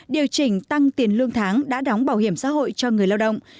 điều chỉnh tăng tiền lương tháng đã đóng bảo hiểm xã hội cho người lao động